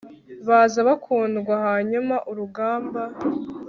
Baza bakundwa hanyuma urugamba